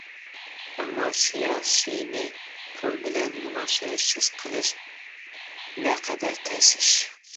ئەمما سىياسىينى پۇل بىلەن مۇناسىۋەتسىز قىلىش نەقەدەر تەس ئىش.